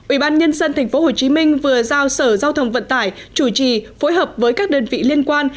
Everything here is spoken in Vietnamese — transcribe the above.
ủy ban nhân dân tp hcm vừa giao sở giao thông vận tải chủ trì phối hợp với các đơn vị liên quan